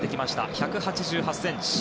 １８８ｃｍ。